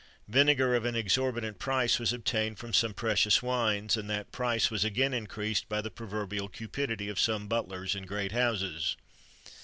Vinegar of an exorbitant price was obtained from some precious wines, and that price was again increased by the proverbial cupidity of some butlers in great houses.